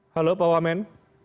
halo pak wamen